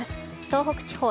東北地方